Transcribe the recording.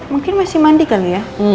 mungkin masih mandi kali ya